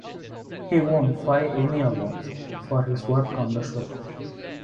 He won five Emmy Awards for his work on the show.